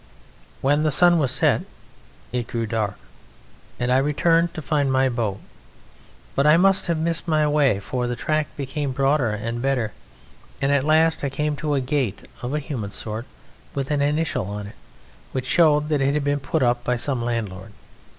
"When the sun was set it grew dark, and I returned to find my boat; but I must have missed my way, for the track became broader and better, and at last I came to a gate of a human sort, with an initial on it, which showed that it had been put up by some landlord.